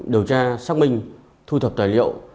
điều tra xác minh thu thập tài liệu